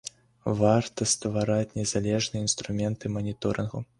Варта ствараць незалежныя інструменты маніторынгу.